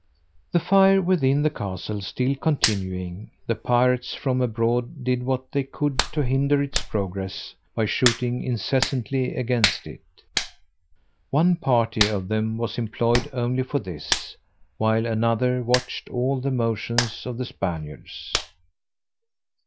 The fire within the castle still continuing, the pirates from abroad did what they could to hinder its progress, by shooting incessantly against it; one party of them was employed only for this, while another watched all the motions of the Spaniards.